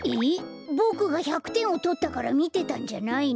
ボクが１００てんをとったからみてたんじゃないの？